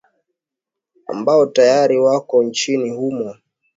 ambao tayari wako nchini humo